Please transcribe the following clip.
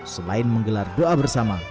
selain menggelar doa bersama